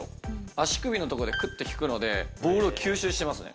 足首のとこで、くって引くのでボールを吸収してますね。